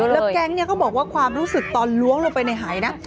แล้วแก๊งเนี่ยเขาบอกว่าความรู้สึกตอนล้วงลงไปในหายนะ